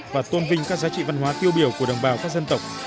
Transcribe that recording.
và tôn vinh các giá trị văn hóa tiêu biểu của đồng bào các dân tộc